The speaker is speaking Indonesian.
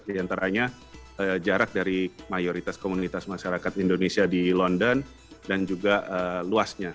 di antaranya jarak dari mayoritas komunitas masyarakat indonesia di london dan juga luasnya